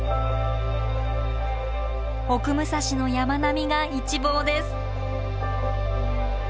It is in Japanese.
奥武蔵の山並みが一望です。